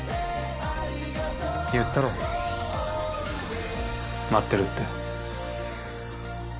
言ったろ待ってるって。